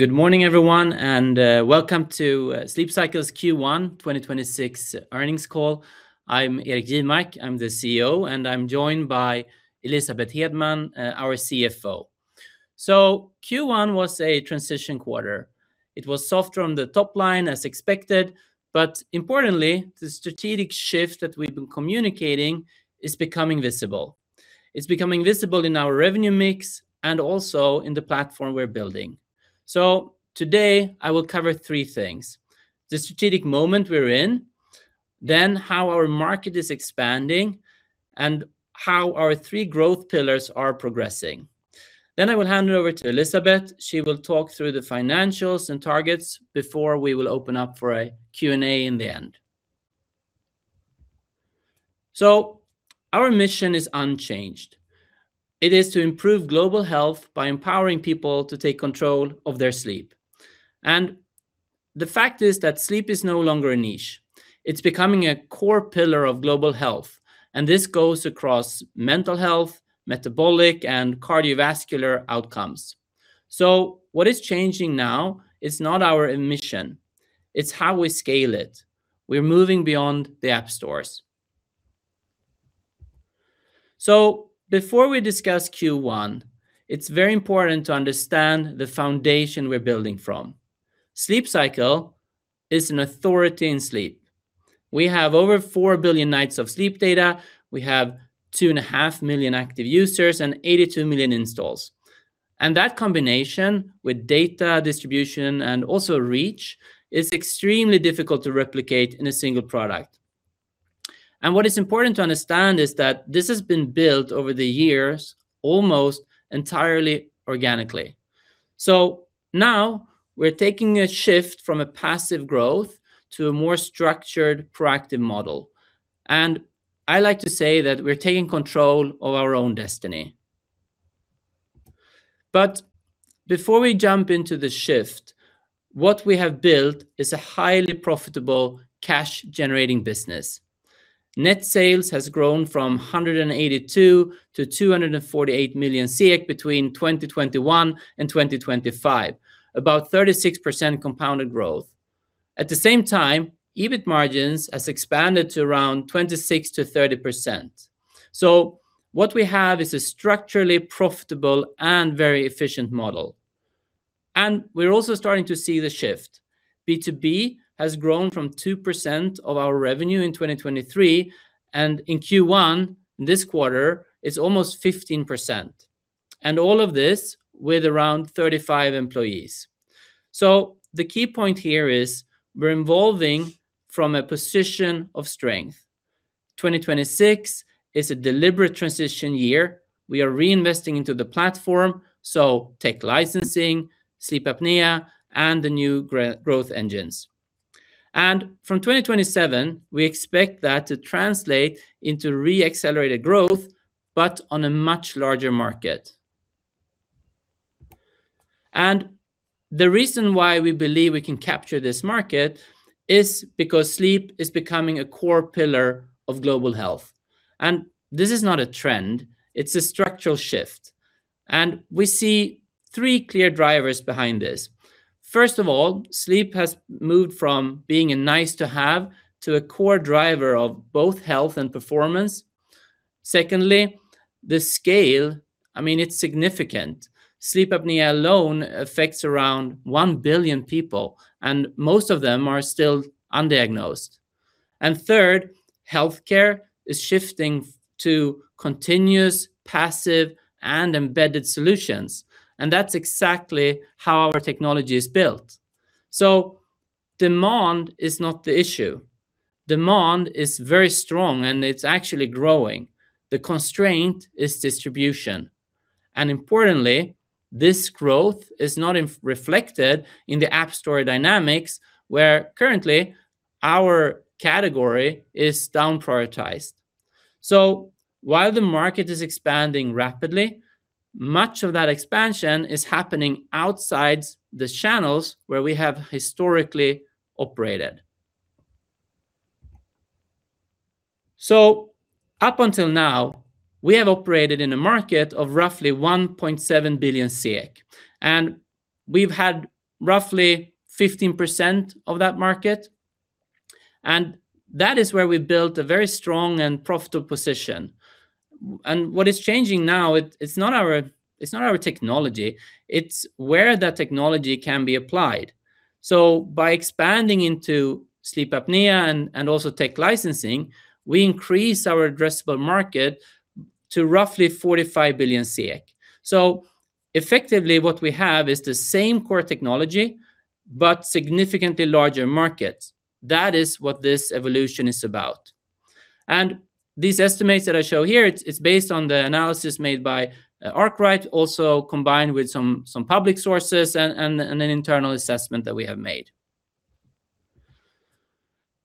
Good morning, everyone, and welcome to Sleep Cycle's Q1 2026 earnings call. I'm Erik Jivmark. I'm the CEO, and I'm joined by Elisabeth Hedman, our CFO. Q1 was a transition quarter. It was softer on the top line as expected, but importantly, the strategic shift that we've been communicating is becoming visible. It's becoming visible in our revenue mix and also in the platform we're building. Today I will cover three things: the strategic moment we're in, then how our market is expanding, and how our three growth pillars are progressing. I will hand it over to Elisabeth. She will talk through the financials and targets before we will open up for a Q&A in the end. Our mission is unchanged. It is to improve global health by empowering people to take control of their sleep. The fact is that sleep is no longer a niche. It's becoming a core pillar of global health, and this goes across mental health, metabolic, and cardiovascular outcomes. What is changing now is not our mission. It's how we scale it. We're moving beyond the app stores. Before we discuss Q1, it's very important to understand the foundation we're building from. Sleep Cycle is an authority in sleep. We have over 4 billion nights of sleep data. We have 2.5 million active users and 82 million installs. That combination with data distribution and also reach is extremely difficult to replicate in a single product. What is important to understand is that this has been built over the years almost entirely organically. Now we're taking a shift from a passive growth to a more structured proactive model, and I like to say that we're taking control of our own destiny. Before we jump into the shift, what we have built is a highly profitable cash-generating business. Net sales has grown from 182 million-248 million between 2021 and 2025, about 36% compounded growth. At the same time, EBIT margins has expanded to around 26%-30%. What we have is a structurally profitable and very efficient model. We're also starting to see the shift. B2B has grown from 2% of our revenue in 2023, and in Q1, this quarter, it's almost 15%, and all of this with around 35 employees. The key point here is we're evolving from a position of strength. 2026 is a deliberate transition year. We are reinvesting into the platform, so tech licensing, sleep apnea, and the new growth engines. From 2027, we expect that to translate into re-accelerated growth, but on a much larger market. The reason why we believe we can capture this market is because sleep is becoming a core pillar of global health. This is not a trend, it's a structural shift. We see three clear drivers behind this. First of all, sleep has moved from being a nice to have to a core driver of both health and performance. Secondly, the scale, I mean, it's significant. Sleep apnea alone affects around 1 billion people, and most of them are still undiagnosed. Third, healthcare is shifting to continuous, passive, and embedded solutions, and that's exactly how our technology is built. Demand is not the issue. Demand is very strong, and it's actually growing. The constraint is distribution. Importantly, this growth is not reflected in the App Store dynamics, where currently our category is down-prioritized. While the market is expanding rapidly, much of that expansion is happening outside the channels where we have historically operated. Up until now, we have operated in a market of roughly 1.7 billion SEK, and we've had roughly 15% of that market, and that is where we've built a very strong and profitable position. What is changing now, it's not our, it's not our technology, it's where that technology can be applied. By expanding into sleep apnea and also tech licensing, we increase our addressable market to roughly 45 billion. Effectively what we have is the same core technology but significantly larger markets. That is what this evolution is about. These estimates that I show here, it's based on the analysis made by Arkwright, also combined with some public sources and an internal assessment that we have made.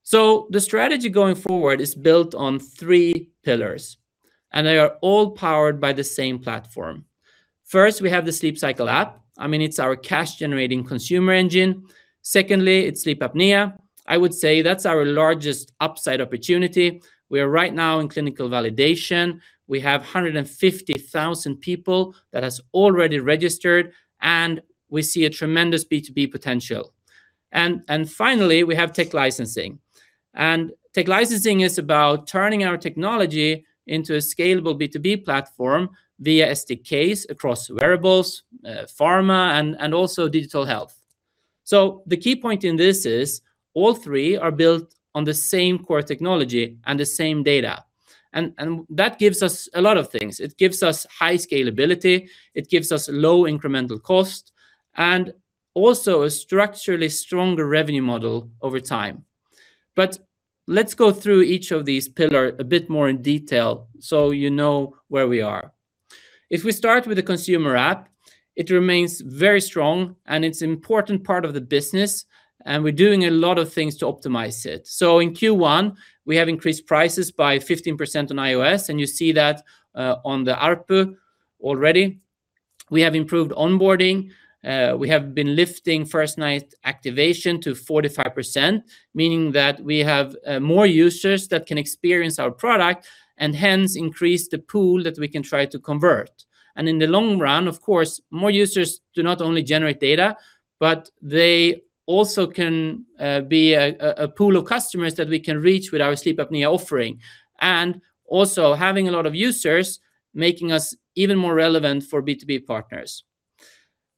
The strategy going forward is built on three pillars, and they are all powered by the same platform. First, we have the Sleep Cycle app. I mean, it's our cash-generating consumer engine. Secondly, it's sleep apnea. I would say that's our largest upside opportunity. We are right now in clinical validation. We have 150,000 people that has already registered, and we see a tremendous B2B potential. Finally, we have tech licensing. Tech licensing is about turning our technology into a scalable B2B platform via SDKs across wearables, pharma, and also digital health. The key point in this is all three are built on the same core technology and the same data. That gives us a lot of things. It gives us high scalability, it gives us low incremental cost, and also a structurally stronger revenue model over time. Let's go through each of these pillar a bit more in detail so you know where we are. If we start with the consumer app, it remains very strong, and it's important part of the business, and we're doing a lot of things to optimize it. In Q1, we have increased prices by 15% on iOS, and you see that on the ARPU already. We have improved onboarding. We have been lifting first night activation to 45%, meaning that we have more users that can experience our product and hence increase the pool that we can try to convert. In the long run, of course, more users do not only generate data, but they also can be a pool of customers that we can reach with our sleep apnea offering and also having a lot of users making us even more relevant for B2B partners.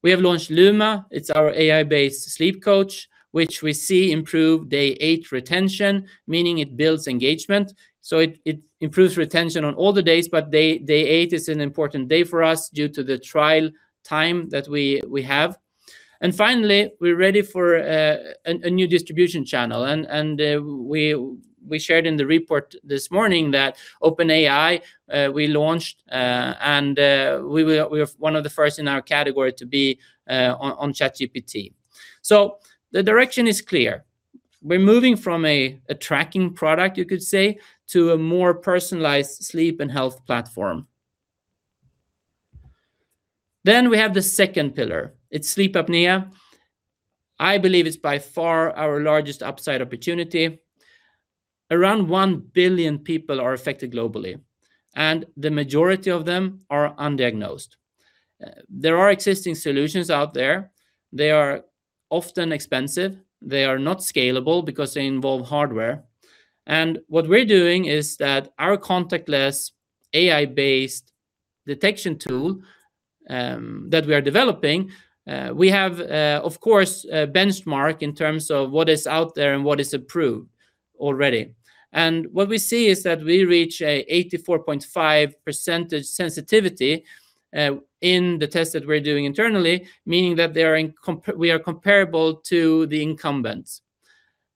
We have launched Luma. It's our AI-based sleep coach, which we see improve day eight retention, meaning it builds engagement. So it improves retention on all the days, but day eight is an important day for us due to the trial time that we have. Finally, we're ready for a new distribution channel. We shared in the report this morning that OpenAI, we launched, and we are one of the first in our category to be on ChatGPT. The direction is clear. We're moving from a tracking product, you could say, to a more personalized sleep and health platform. We have the second pillar. It's sleep apnea. I believe it's by far our largest upside opportunity. Around one billion people are affected globally, and the majority of them are undiagnosed. There are existing solutions out there. They are often expensive. They are not scalable because they involve hardware. What we're doing is that our contactless AI-based detection tool that we are developing, we have, of course, a benchmark in terms of what is out there and what is approved already. What we see is that we reach a 84.5% sensitivity in the test that we're doing internally, meaning that we are comparable to the incumbents.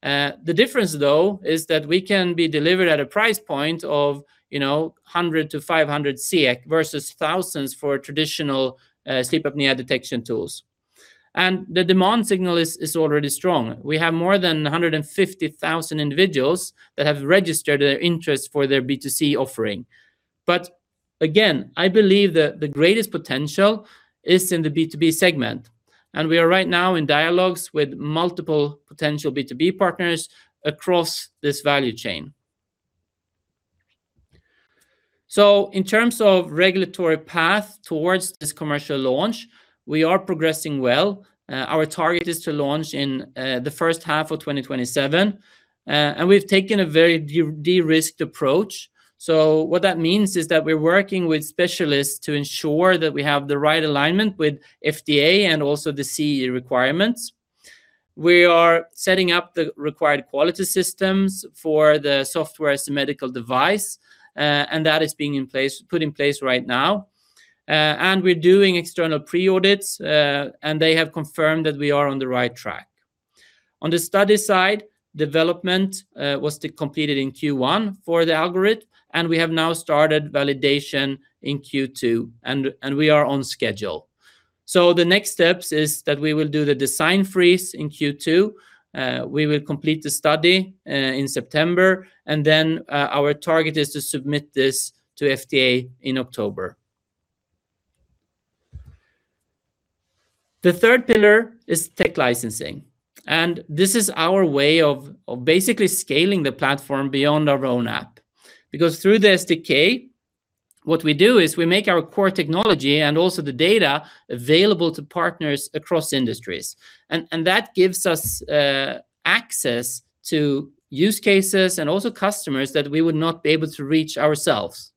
The difference though is that we can be delivered at a price point of, you know, 100-500 versus thousands for traditional sleep apnea detection tools. The demand signal is already strong. We have more than 150,000 individuals that have registered their interest for their B2C offering. Again, I believe the greatest potential is in the B2B segment, and we are right now in dialogues with multiple potential B2B partners across this value chain. In terms of regulatory path towards this commercial launch, we are progressing well. Our target is to launch in the first half of 2027. We've taken a very derisked approach. What that means is that we're working with specialists to ensure that we have the right alignment with FDA and also the CE requirements. We are setting up the required quality systems for the Software as a Medical Device, and that is put in place right now. We're doing external pre-audits, and they have confirmed that we are on the right track. On the study side, development was completed in Q1 for the algorithm, and we have now started validation in Q2, and we are on schedule. The next steps is that we will do the design freeze in Q2. We will complete the study in September, and then our target is to submit this to FDA in October. The third pillar is tech licensing, this is our way of basically scaling the platform beyond our own app. Through the SDK, what we do is we make our core technology and also the data available to partners across industries, and that gives us access to use cases and also customers that we would not be able to reach ourselves.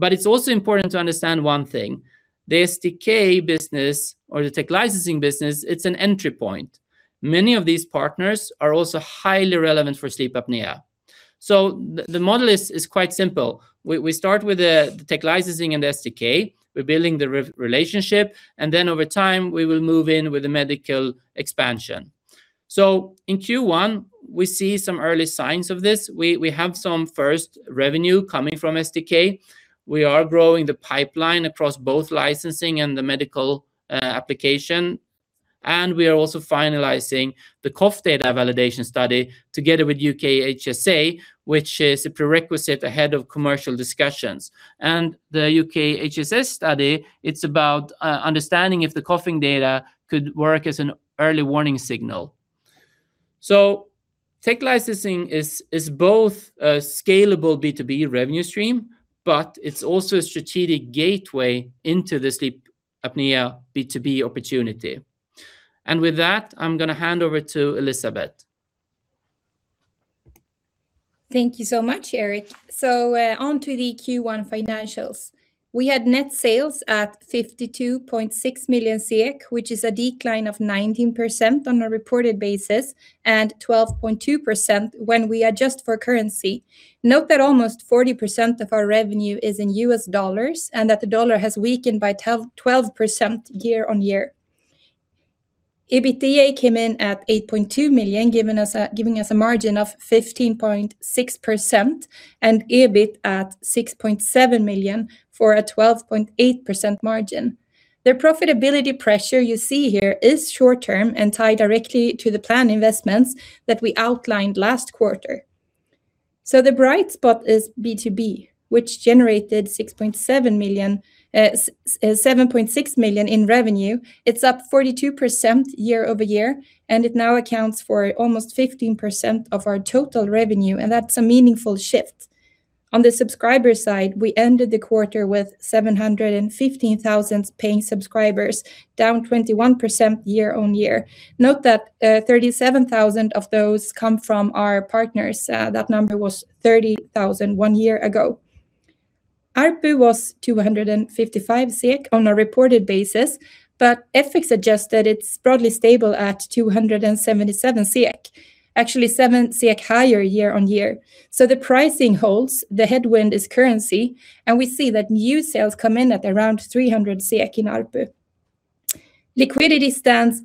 It's also important to understand one thing. The SDK business or the tech licensing business, it's an entry point. Many of these partners are also highly relevant for sleep apnea. The model is quite simple. We start with the tech licensing and SDK. We're building the re-relationship, and then over time, we will move in with the medical expansion. In Q1, we see some early signs of this. We have some first revenue coming from SDK. We are growing the pipeline across both licensing and the medical application, and we are also finalizing the cough data validation study together with UKHSA, which is a prerequisite ahead of commercial discussions. The UKHSA study, it's about understanding if the coughing data could work as an early warning signal. Tech licensing is both a scalable B2B revenue stream, but it's also a strategic gateway into this sleep apnea B2B opportunity. With that, I'm gonna hand over to Elisabeth. Thank you so much, Erik. On to the Q1 financials. We had net sales at 52.6 million, which is a decline of 19% on a reported basis, and 12.2% when we adjust for currency. Note that almost 40% of our revenue is in US dollars, and that the dollar has weakened by 12% year-on-year. EBITDA came in at 8.2 million, giving us a margin of 15.6%, and EBIT at 6.7 million for a 12.8% margin. The profitability pressure you see here is short-term and tied directly to the plan investments that we outlined last quarter. The bright spot is B2B, which generated 7.6 million in revenue. It's up 42% year-over-year, and it now accounts for almost 15% of our total revenue, and that's a meaningful shift. On the subscriber side, we ended the quarter with 715,000 paying subscribers, down 21% year-on-year. Note that 37,000 of those come from our partners. That number was 30,000 one year ago. ARPU was 255 SEK on a reported basis, FX adjusted, it's broadly stable at 277 SEK, actually 7 SEK higher year-on-year. The pricing holds, the headwind is currency, we see that new sales come in at around 300 in ARPU. Liquidity stands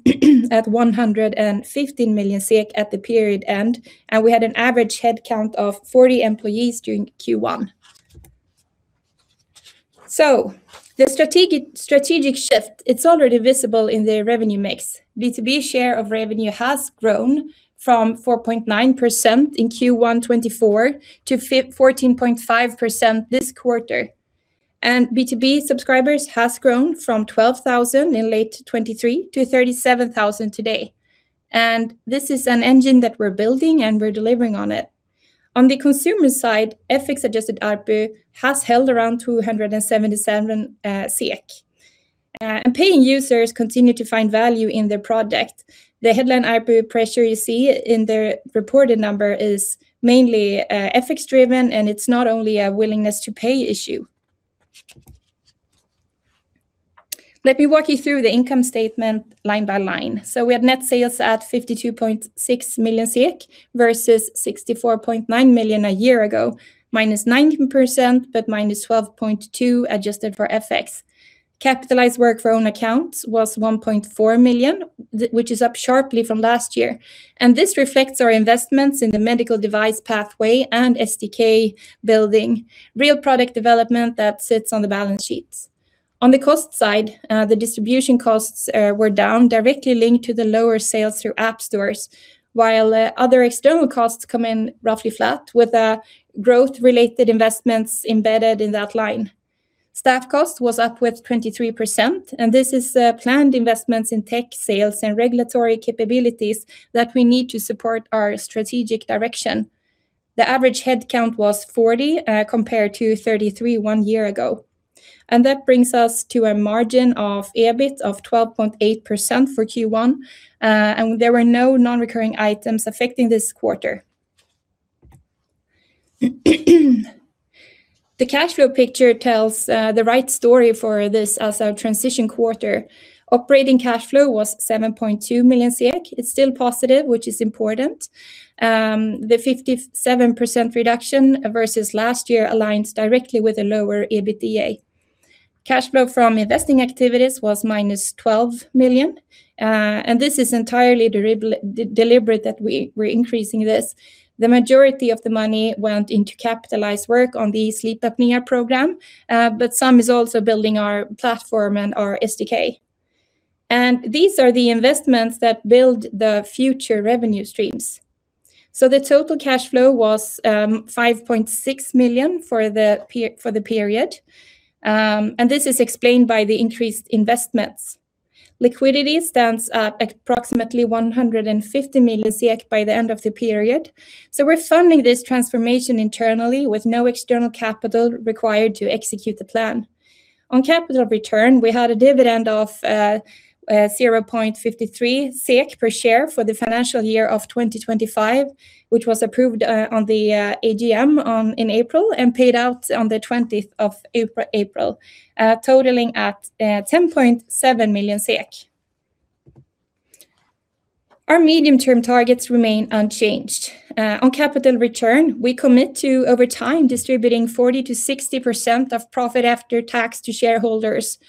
at 115 million at the period end, we had an average headcount of 40 employees during Q1. The strategic shift, it's already visible in the revenue mix. B2B share of revenue has grown from 4.9% in Q1 2024 to 14.5% this quarter. B2B subscribers has grown from 12,000 in late 2023 to 37,000 today. This is an engine that we're building, and we're delivering on it. On the consumer side, FX-adjusted ARPU has held around 277 SEK. Paying users continue to find value in the product. The headline ARPU pressure you see in the reported number is mainly FX-driven, and it's not only a willingness to pay issue. Let me walk you through the income statement line by line. We have net sales at 52.6 million versus 64.9 million a year ago, -19%, but -12.2% adjusted for FX. Capitalized work for own accounts was 1.4 million, which is up sharply from last year. This reflects our investments in the medical device pathway and SDK building, real product development that sits on the balance sheets. On the cost side, the distribution costs were down, directly linked to the lower sales through App Store, while other external costs come in roughly flat, with growth-related investments embedded in that line. Staff cost was up with 23%, this is planned investments in tech sales and regulatory capabilities that we need to support our strategic direction. The average headcount was 40, compared to 33 one year ago. That brings us to a margin of EBIT of 12.8% for Q1, there were no non-recurring items affecting this quarter. The cash flow picture tells the right story for this as our transition quarter. Operating cash flow was 7.2 million. It's still positive, which is important. The 57% reduction versus last year aligns directly with the lower EBITDA. Cash flow from investing activities was -12 million, and this is entirely deliberate that we're increasing this. The majority of the money went into capitalized work on the sleep apnea program, but some is also building our platform and our SDK. These are the investments that build the future revenue streams. The total cash flow was 5.6 million for the period, and this is explained by the increased investments. Liquidity stands at approximately 150 million by the end of the period. We're funding this transformation internally with no external capital required to execute the plan. On capital return, we had a dividend of 0.53 SEK per share for the financial year of 2025, which was approved on the AGM in April and paid out on the April 20th, totaling at SEK 10.7 million. Our medium-term targets remain unchanged. On capital return, we commit to, over time, distributing 40%-60% of profit after tax to shareholders.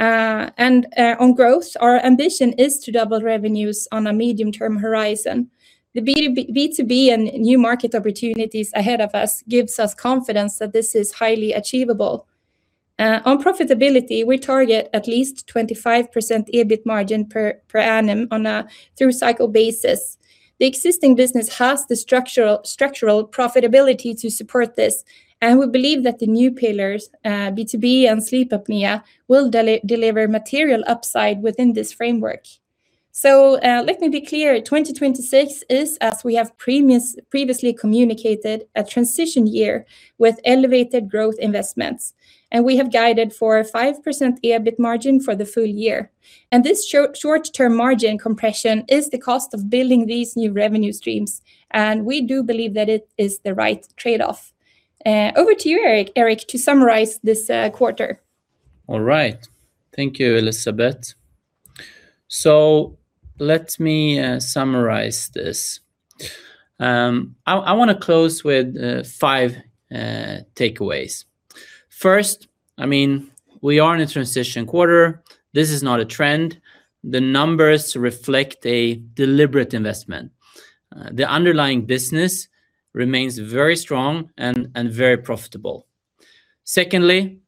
On growth, our ambition is to double revenues on a medium-term horizon. The B2B and new market opportunities ahead of us gives us confidence that this is highly achievable. On profitability, we target at least 25% EBIT margin per annum on a through-cycle basis. The existing business has the structural profitability to support this, and we believe that the new pillars, B2B and sleep apnea, will deliver material upside within this framework. Let me be clear, 2026 is, as we have previously communicated, a transition year with elevated growth investments, and we have guided for 5% EBIT margin for the full year. This short-term margin compression is the cost of building these new revenue streams, and we do believe that it is the right trade-off. Over to you, Erik, to summarize this quarter. All right. Thank you, Elisabeth. Let me summarize this. I want to close with five takeaways. First, we are in a transition quarter. This is not a trend. The numbers reflect a deliberate investment. The underlying business remains very strong and very profitable. Secondly,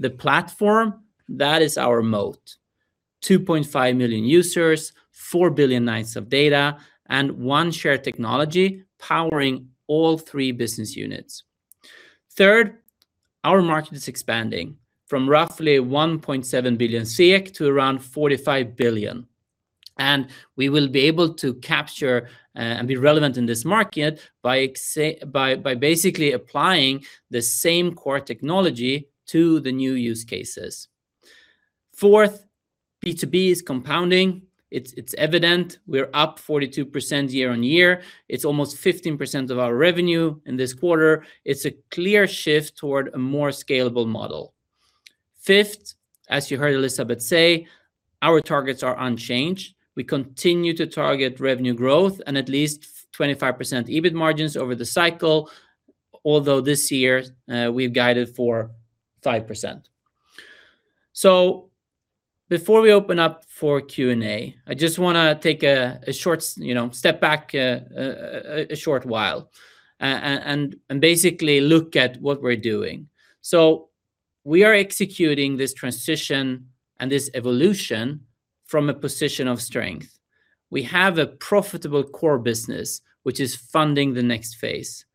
the platform, that is our moat, 2.5 million users, four billion nights of data, and one shared technology powering all three business units. Third, our market is expanding from roughly 1.7 billion to around 45 billion, and we will be able to capture and be relevant in this market by basically applying the same core technology to the new use cases. Fourth, B2B is compounding. It's evident. We're up 42% year-on-year. It's almost 15% of our revenue in this quarter. It's a clear shift toward a more scalable model. Fifth, as you heard Elisabeth say, our targets are unchanged. We continue to target revenue growth and at least 25% EBIT margins over the cycle. Although this year, we've guided for 5%. Before we open up for Q&A, I just wanna take a short you know, step back, a short while and basically look at what we're doing. We are executing this transition and this evolution from a position of strength. We have a profitable core business, which is funding the next phase,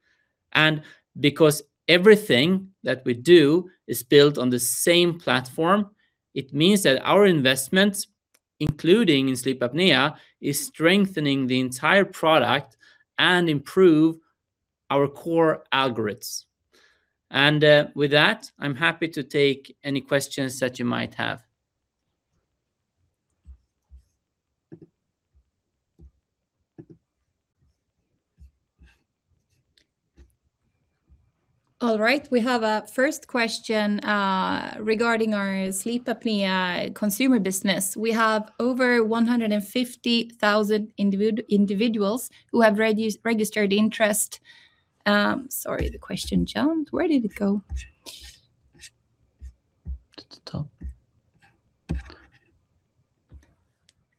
and because everything that we do is built on the same platform, it means that our investments, including in sleep apnea, is strengthening the entire product and improve our core algorithms. With that, I'm happy to take any questions that you might have. All right. We have a first question regarding our sleep apnea consumer business. We have over 150,000 individuals who have registered interest. Sorry, the question jumped. Where did it go?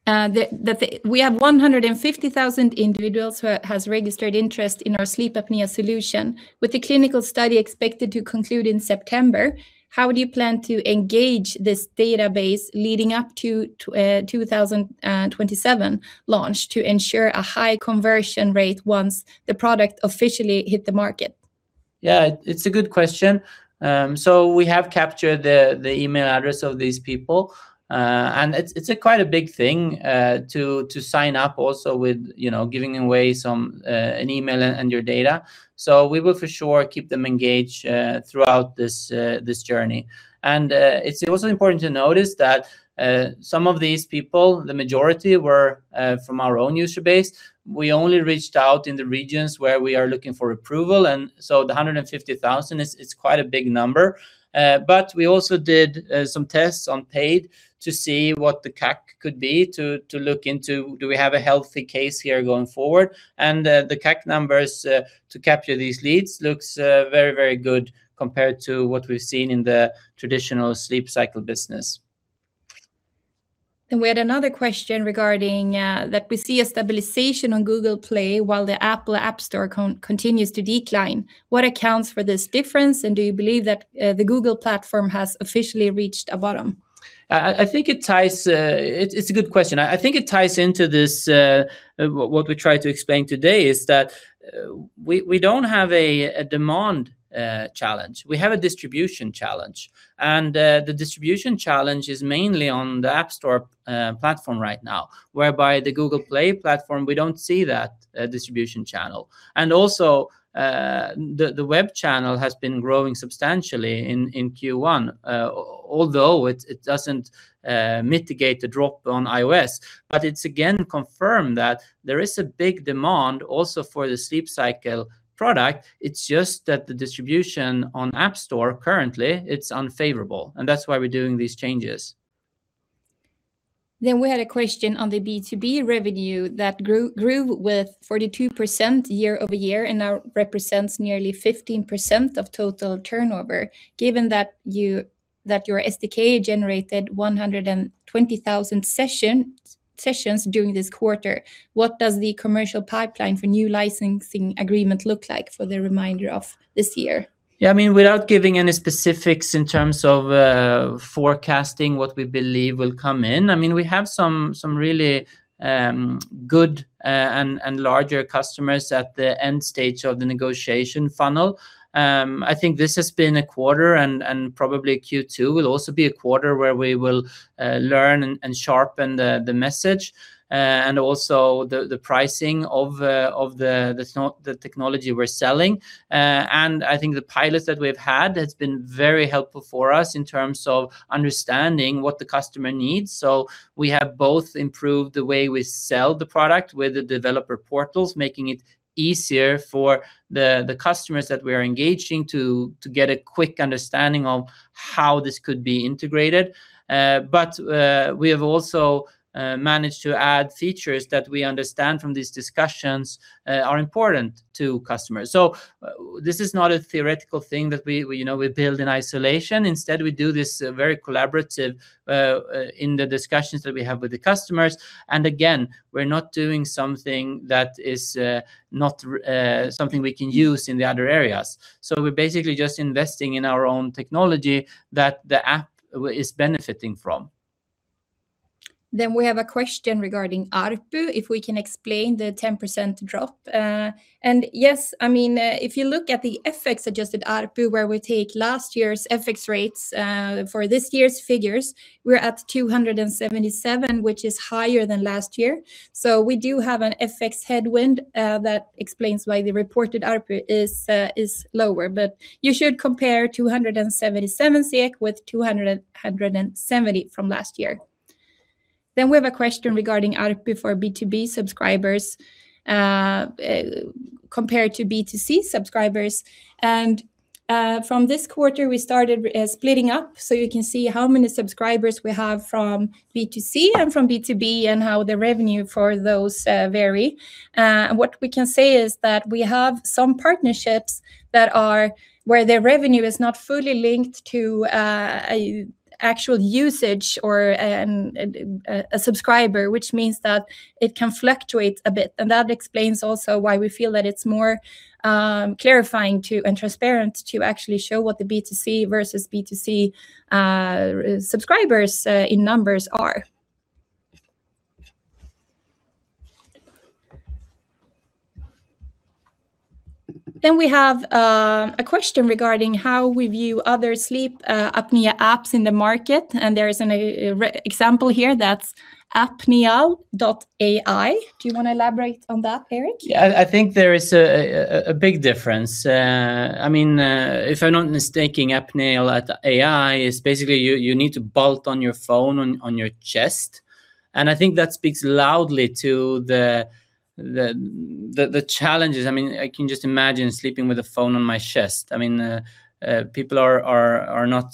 It's at the top. We have 150,000 individuals who has registered interest in our sleep apnea solution. With the clinical study expected to conclude in September, how do you plan to engage this database leading up to 2027 launch to ensure a high conversion rate once the product officially hit the market? Yeah, it's a good question. We have captured the email address of these people, and it's a quite a big thing to sign up also with, you know, giving away an email and your data. We will for sure keep them engaged throughout this journey. It's also important to notice that some of these people, the majority were from our own user base. We only reached out in the regions where we are looking for approval. The 150,000 is quite a big number. We also did some tests on paid to see what the CAC could be to look into do we have a healthy case here going forward. The CAC numbers to capture these leads looks very, very good compared to what we've seen in the traditional Sleep Cycle business. We had another question regarding that we see a stabilization on Google Play while the Apple App Store continues to decline. What accounts for this difference, and do you believe that the Google platform has officially reached a bottom? It's a good question. I think it ties into this what we tried to explain today is that we don't have a demand challenge. We have a distribution challenge. The distribution challenge is mainly on the App Store platform right now, whereby the Google Play platform, we don't see that distribution channel. Also, the web channel has been growing substantially in Q1, although it doesn't mitigate the drop on iOS. It's again confirmed that there is a big demand also for the Sleep Cycle product. It's just that the distribution on App Store currently, it's unfavorable, and that's why we're doing these changes. We had a question on the B2B revenue that grew with 42% year-over-year and now represents nearly 15% of total turnover. Given that your SDK generated 120,000 sessions during this quarter, what does the commercial pipeline for new licensing agreement look like for the remainder of this year? I mean, without giving any specifics in terms of forecasting what we believe will come in, I mean, we have some really good and larger customers at the end stage of the negotiation funnel. I think this has been a quarter and probably Q2 will also be a quarter where we will learn and sharpen the message and also the pricing of the technology we're selling. I think the pilots that we've had has been very helpful for us in terms of understanding what the customer needs. We have both improved the way we sell the product with the developer portals, making it easier for the customers that we are engaging to get a quick understanding of how this could be integrated. We have also managed to add features that we understand from these discussions are important to customers. This is not a theoretical thing that we, you know, we build in isolation. Instead, we do this very collaborative in the discussions that we have with the customers. Again, we're not doing something that is not something we can use in the other areas. We're basically just investing in our own technology that the app is benefiting from. We have a question regarding ARPU, if we can explain the 10% drop. Yes, I mean, if you look at the FX-adjusted ARPU where we take last year's FX rates, for this year's figures, we're at 277, which is higher than last year. We do have an FX headwind that explains why the reported ARPU is lower. You should compare 277 with 270 from last year. We have a question regarding ARPU for B2B subscribers compared to B2C subscribers. From this quarter, we started splitting up, so you can see how many subscribers we have from B2C and from B2B, and how the revenue for those vary. What we can say is that we have some partnerships that are where the revenue is not fully linked to a actual usage or a subscriber, which means that it can fluctuate a bit. That explains also why we feel that it's more clarifying to and transparent to actually show what the B2B versus B2C subscribers in numbers are. We have a question regarding how we view other sleep apnea apps in the market, and there is an example here that's Apnea.ai. Do you wanna elaborate on that, Erik? I think there is a big difference. I mean, if I'm not mistaken, Apnea.ai is basically you need to bolt on your phone on your chest, and I think that speaks loudly to the challenges. I mean, I can just imagine sleeping with a phone on my chest. I mean, people are not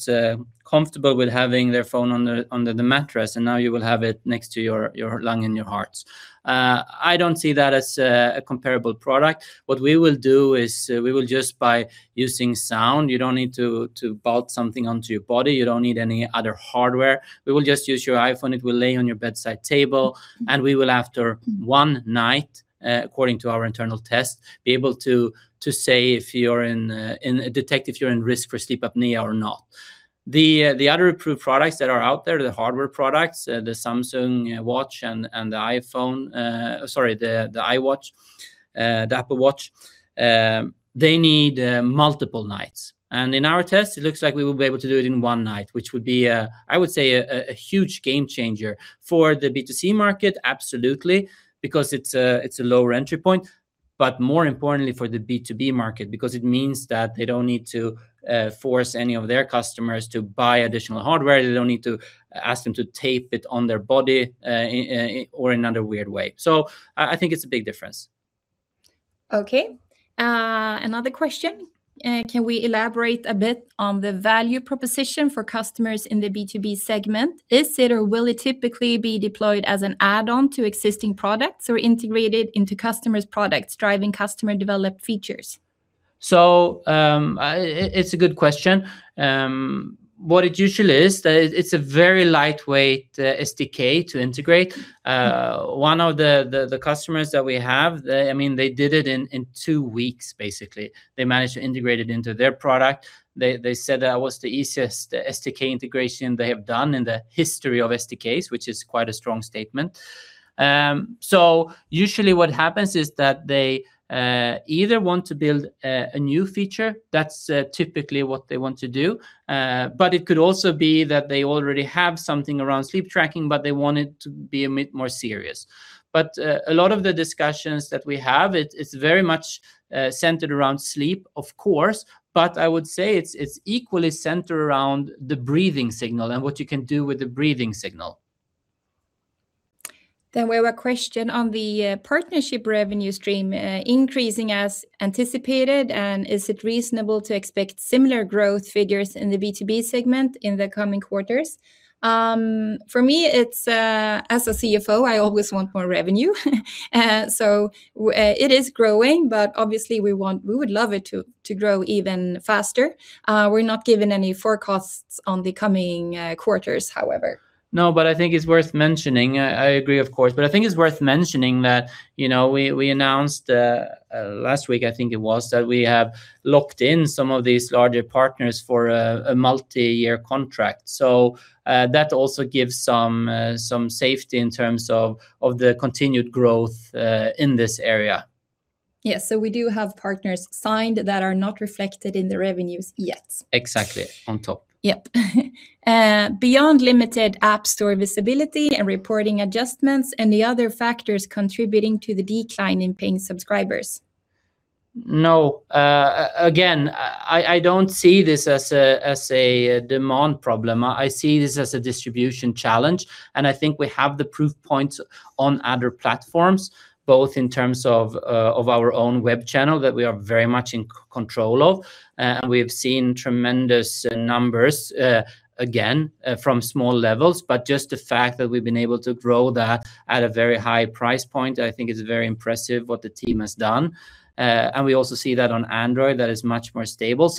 comfortable with having their phone under the mattress, and now you will have it next to your lung and your heart. I don't see that as a comparable product. What we will do is, we will just by using sound, you don't need to bolt something onto your body. You don't need any other hardware. We will just use your iPhone. It will lay on your bedside table, and we will, after one night, according to our internal test, be able to detect if you're in risk for sleep apnea or not. The other approved products that are out there, the hardware products, the Samsung Watch and, sorry, the Apple Watch, they need multiple nights. And in our test, it looks like we will be able to do it in one night, which would be a huge game changer. For the B2C market, absolutely, because it's a lower entry point. More importantly for the B2B market, because it means that they don't need to force any of their customers to buy additional hardware. They don't need to ask them to tape it on their body, or another weird way. I think it's a big difference. Okay. another question. Can we elaborate a bit on the value proposition for customers in the B2B segment? Is it or will it typically be deployed as an add-on to existing products or integrated into customers' products, driving customer-developed features? It's a good question. What it usually is that it's a very lightweight SDK to integrate. One of the customers that we have, I mean, they did it in two weeks, basically. They managed to integrate it into their product. They said that was the easiest SDK integration they have done in the history of SDKs, which is quite a strong statement. Usually what happens is that they either want to build a new feature, that's typically what they want to do. It could also be that they already have something around sleep tracking, but they want it to be a bit more serious. A lot of the discussions that we have, it's very much centered around sleep, of course, but I would say it's equally centered around the breathing signal and what you can do with the breathing signal. We have a question on the partnership revenue stream increasing as anticipated, and is it reasonable to expect similar growth figures in the B2B segment in the coming quarters? For me, it's as a CFO, I always want more revenue. It is growing, but obviously we want, we would love it to grow even faster. We're not giving any forecasts on the coming quarters however. I think it's worth mentioning, I agree of course, but I think it's worth mentioning that, you know, we announced last week I think it was, that we have locked in some of these larger partners for a multi-year contract. That also gives some safety in terms of the continued growth in this area. Yeah, we do have partners signed that are not reflected in the revenues yet. Exactly. On top. Yep. Beyond limited App Store visibility and reporting adjustments, any other factors contributing to the decline in paying subscribers? No. Again, I don't see this as a demand problem. I see this as a distribution challenge. I think we have the proof points on other platforms, both in terms of our own web channel that we are very much in control of. We've seen tremendous numbers again, from small levels, but just the fact that we've been able to grow that at a very high price point I think is very impressive what the team has done. We also see that on Android that is much more stable.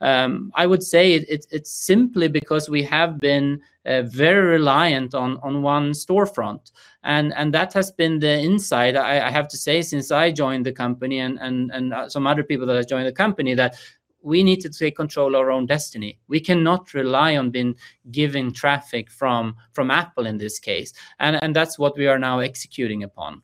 I would say it's simply because we have been very reliant on one storefront, and that has been the insight, I have to say, since I joined the company and some other people that have joined the company, that we need to take control of our own destiny. We cannot rely on being given traffic from Apple in this case, and that's what we are now executing upon.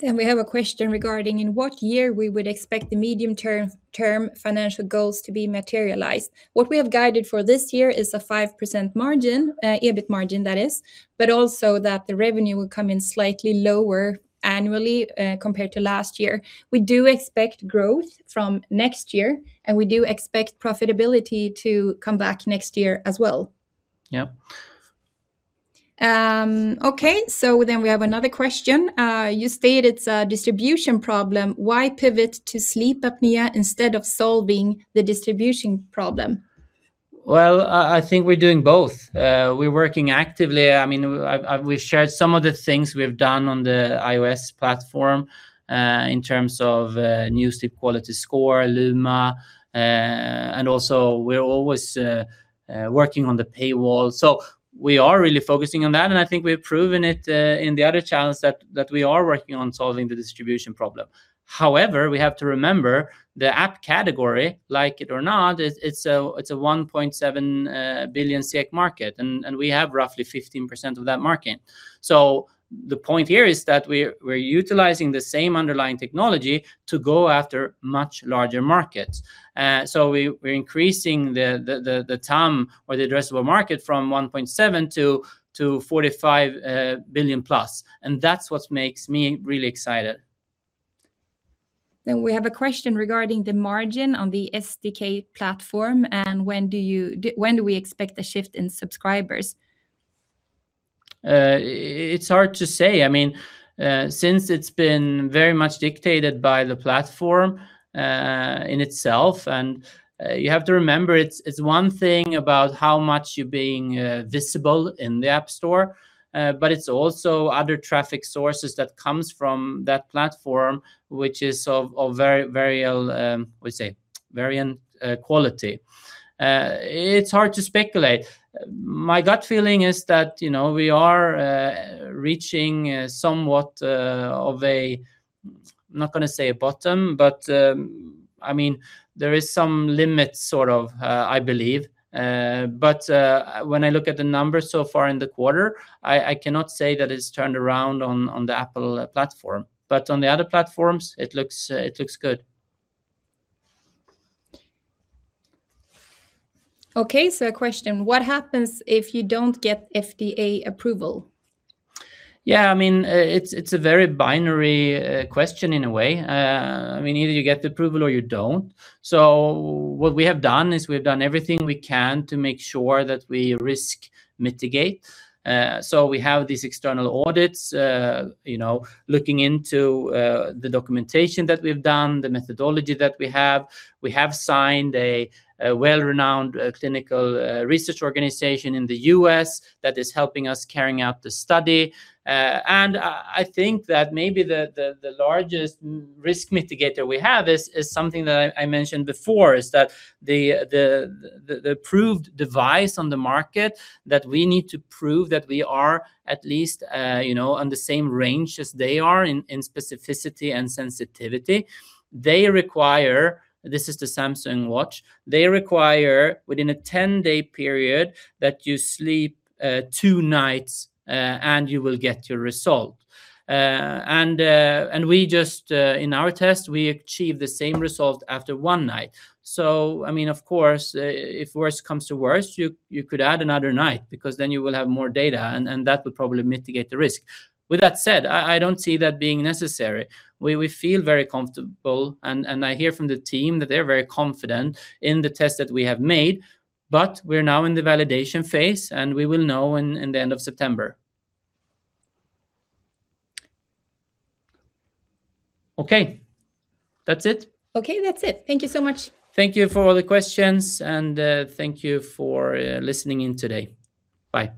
We have a question regarding in what year we would expect the medium term financial goals to be materialized. What we have guided for this year is a 5% margin, EBIT margin that is, but also that the revenue will come in slightly lower annually, compared to last year. We do expect growth from next year, and we do expect profitability to come back next year as well. Yeah. Okay, we have another question. You state it's a distribution problem. Why pivot to sleep apnea instead of solving the distribution problem? I think we're doing both. We're working actively. I mean, we've shared some of the things we've done on the iOS platform, in terms of a new sleep quality score, Luma, and also we're always working on the paywall. We are really focusing on that, and I think we have proven it in the other channels that we are working on solving the distribution problem. However, we have to remember the app category, like it or not, it's a 1.7 billion SEK market and we have roughly 15% of that market. The point here is that we're utilizing the same underlying technology to go after much larger markets. We're increasing the TAM or the addressable market from 1.7 billion to 45 billion plus, and that's what makes me really excited. We have a question regarding the margin on the SDK platform, and when do we expect a shift in subscribers? It's hard to say. I mean, since it's been very much dictated by the platform in itself, and you have to remember it's one thing about how much you're being visible in the App Store, but it's also other traffic sources that comes from that platform which is of very, very what you say? Variant quality. It's hard to speculate. My gut feeling is that, you know, we are reaching somewhat of a, I'm not gonna say a bottom, but, I mean, there is some limit sort of, I believe. When I look at the numbers so far in the quarter, I cannot say that it's turned around on the Apple platform, but on the other platforms it looks good. Okay, a question. What happens if you don't get FDA approval? Yeah, I mean, it's a very binary question in a way. I mean, either you get the approval or you don't. What we have done is we've done everything we can to make sure that we risk mitigate. We have these external audits, you know, looking into the documentation that we've done, the methodology that we have. We have signed a well-renowned clinical research organization in the U.S. that is helping us carrying out the study. I think that maybe the largest risk mitigator we have is something that I mentioned before, is that the approved device on the market that we need to prove that we are at least, you know, on the same range as they are in specificity and sensitivity, they require, this is the Samsung Watch, they require within a 10-day period that you sleep two nights, and you will get your result. We just in our test we achieve the same result after one night. I mean, of course, if worse comes to worst, you could add another night because then you will have more data and that would probably mitigate the risk. With that said, I don't see that being necessary. We feel very comfortable and I hear from the team that they're very confident in the test that we have made, but we're now in the validation phase, and we will know in the end of September. Okay. That's it? Okay, that's it. Thank you so much. Thank you for all the questions, and thank you for listening in today. Bye.